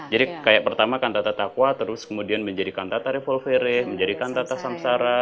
jadi kayak pertama kantata takwa terus kemudian menjadi kantata revolvere menjadi kantata samsara